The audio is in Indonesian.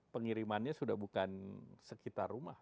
pengirimannya sudah bukan sekitar rumah